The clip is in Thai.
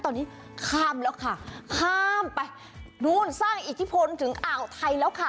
ตอนนี้ข้ามแล้วค่ะข้ามไปนู่นสร้างอิทธิพลถึงอ่าวไทยแล้วค่ะ